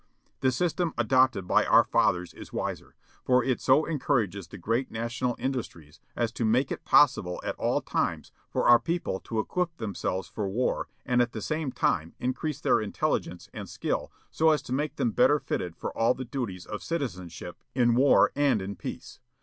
The system adopted by our fathers is wiser, for it so encourages the great national industries as to make it possible at all times for our people to equip themselves for war, and at the same time increase their intelligence and skill so as to make them better fitted for all the duties of citizenship in war and in peace.